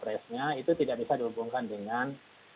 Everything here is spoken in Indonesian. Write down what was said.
maupun dulu capres capressnya itu tidak bisa dihubungkan dengan